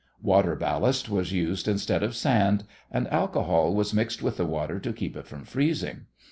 Water ballast was used instead of sand, and alcohol was mixed with the water to keep it from freezing.